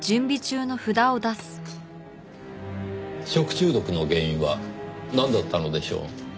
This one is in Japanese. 食中毒の原因はなんだったのでしょう？